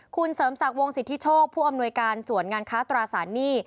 คุณเสริมศักดิ์วงสิทธิโชคผู้อำนวยการส่วนงานค้าตราสารหนี้